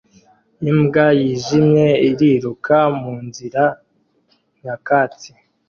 Imbwa yijimye iriruka munzira nyakatsi